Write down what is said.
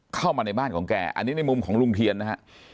เข้ามาในบ้านของแกอันนี้ในมุมของลุงเทียนนะฮะ